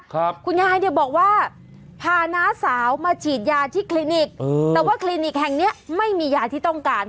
คุณยายเนี่ยบอกว่าพาน้าสาวมาฉีดยาที่คลินิกเออแต่ว่าคลินิกแห่งเนี้ยไม่มียาที่ต้องการ